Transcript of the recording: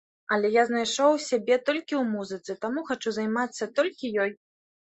Але я знайшоў сябе толькі ў музыцы, таму хачу займацца толькі ёй.